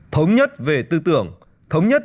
thống nhất về tư tưởng thống nhất